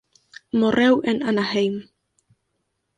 Morreu en Anaheim.